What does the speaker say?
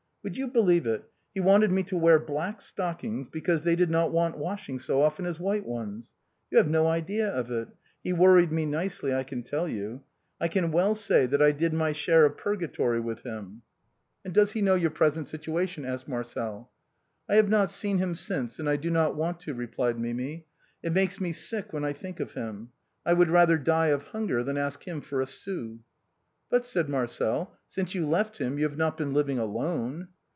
Would you believe it, he wanted me to wear black stockings, because they did not want washing so often as white ones. You have no idea of it, he worried me nicely I can tell you. I can well say that I did my share of purgatory with him." EPILOGUE TO THE LOVES OF RODOLPHE AND MIMI. 325 "And does he know your present situation ?" asked Marcel. " I have not seen him since and I do not want to," replied Mimi ;" it makes me sick when I think of him ; I would rather die of hunger than ask him for a sou." " But," said Marcel, " since you left him you have not been living alone."